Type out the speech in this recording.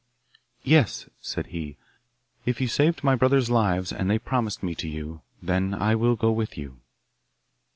'Yes,' said he; 'if you saved my brothers' lives, and they promised me to you, then I will go with you.